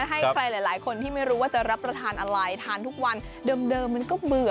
ให้ใครหลายคนที่ไม่รู้ว่าจะรับประทานอะไรทานทุกวันเดิมมันก็เบื่อ